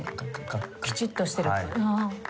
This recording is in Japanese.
きちっとしてるああ。